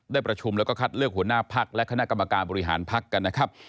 ประชุมแล้วก็คัดเลือกหัวหน้าพักและคณะกรรมการบริหารพักกันนะครับ